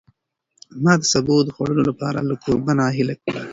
ما د سابو د خوړلو لپاره له کوربه نه هیله وکړه.